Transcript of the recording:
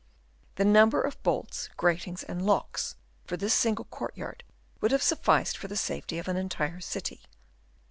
The number of bolts, gratings, and locks for this single courtyard would have sufficed for the safety of an entire city.